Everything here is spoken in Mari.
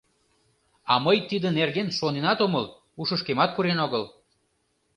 А мый тидын нерген шоненат омыл, ушышкемат пурен огыл.